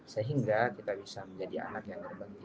sehingga kita bisa menjadi anak yang terbagi